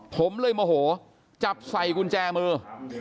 ผมเลยโมโหจับใส่กุญแจมือ